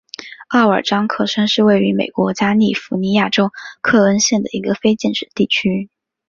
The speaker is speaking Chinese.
奥尔章克申是位于美国加利福尼亚州克恩县的一个非建制地区。